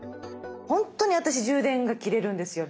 本当に私充電が切れるんですよ